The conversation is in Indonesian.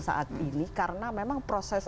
saat ini karena memang proses